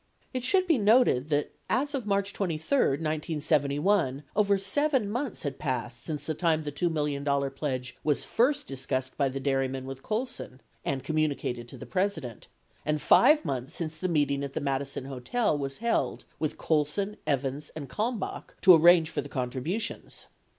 It should be noted that as of March 23, 1971, over 7 months had passed since the time the $2 million pledge was first discussed by the dairymen with Colson (and communicated to the President) and 5 months since the meeting at the Madison Hotel was held with Colson, Evans, and Kalmbach to arrange for the contributions.